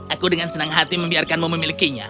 aku dengan senang hati membiarkanmu memilikinya